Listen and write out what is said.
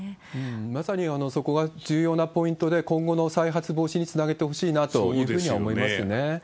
まさにそこが重要なポイントで、今後の再発防止につなげてほしいなというふうには思いますね。